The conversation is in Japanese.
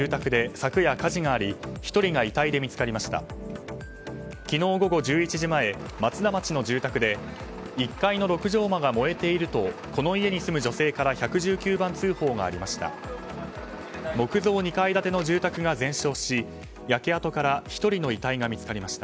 昨日午後１１時前松田町の住宅で１階の六畳間が燃えているとこの家に住む女性から１１９番通報がありました。